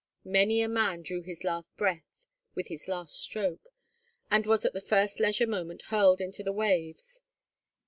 Many a man drew has last breath with his last stroke, and was at the first leisure moment hurled into the waves.